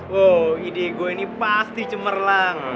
wow ide gue ini pasti cemerlang